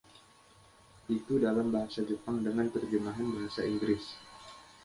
Itu dalam bahasa Jepang dengan terjemahan bahasa Inggris.